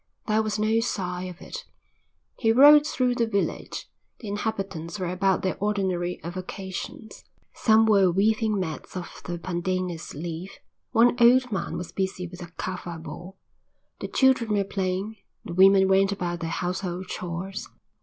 There was no sign of it. He rode through the village. The inhabitants were about their ordinary avocations. Some were weaving mats of the pandanus leaf, one old man was busy with a kava bowl, the children were playing, the women went about their household chores.